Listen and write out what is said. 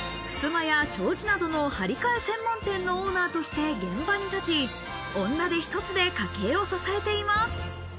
ふすまや障子などの張り替え専門店のオーナーとして現場に立ち、女手ひとつで家計を支えています。